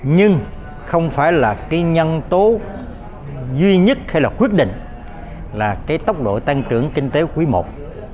nhưng không phải là cái nhân tố duy nhất hay là quyết định là cái tốc độ tăng trưởng kinh tế quý i